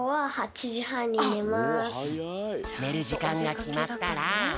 ねるじかんがきまったら。